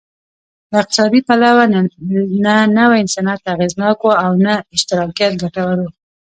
له اقتصادي پلوه نه نوی صنعت اغېزناک و او نه اشتراکیت ګټور و